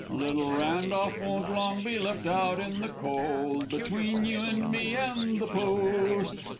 _) Little Randolph won't long be left out in the cold. Between you and me and the Post!